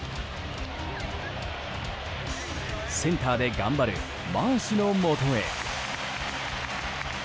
センターで頑張るマーシュのもとへ。